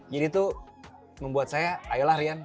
jadi itu membuat saya ayolah rian